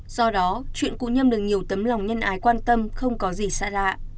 do đó chuyện cụ nhâm được nhiều tấm lòng nhân ái quan tâm không có gì xa lạ